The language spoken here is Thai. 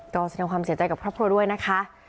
ตอบเสียงความเสียใจกับพ่อพ่อด้วยนะคะ